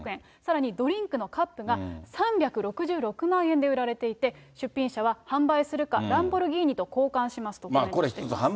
さらにドリンクのカップが３６６万円で売られていて、出品者は販売するか、ランボルギーニと交換しますとしています。